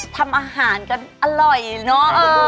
ทำอาหารกันอร่อยเนอะ